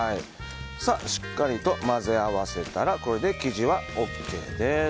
しっかりと混ぜ合わせたらこれで生地はＯＫです。